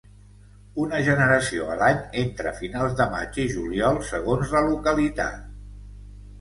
Una generació a l'any entre finals de maig i juliol segons la localitat.